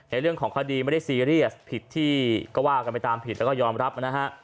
เรื่องของคดีไม่ได้ซีเรียสผิดที่ก็ว่ากันไปตามผิดแล้วก็ยอมรับนะฮะ